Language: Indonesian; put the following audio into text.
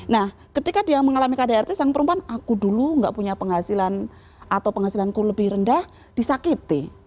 nah ketika dia mengalami kdrt sang perempuan aku dulu nggak punya penghasilan atau penghasilanku lebih rendah disakiti